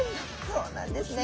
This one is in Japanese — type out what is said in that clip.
そうなんですね。